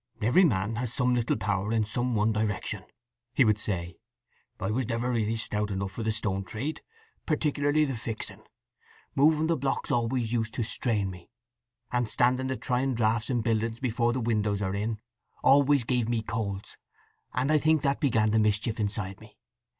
"Every man has some little power in some one direction," he would say. "I was never really stout enough for the stone trade, particularly the fixing. Moving the blocks always used to strain me, and standing the trying draughts in buildings before the windows are in always gave me colds, and I think that began the mischief inside.